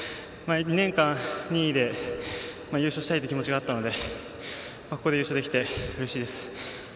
２年間２位で優勝したいという気持ちがあったのでここで優勝できてうれしいです。